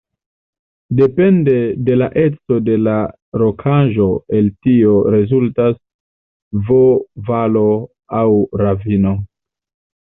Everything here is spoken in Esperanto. Depende de la eco de la rokaĵo el tio rezultas V-valo aŭ ravino.